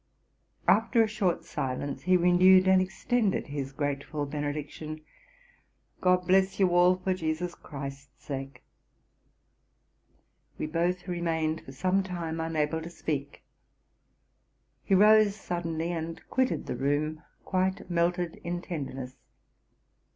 After a short silence, he renewed and extended his grateful benediction, 'GOD bless you all, for JESUS CHRIST'S sake.' We both remained for some time unable to speak. He rose suddenly and quitted the room, quite melted in tenderness.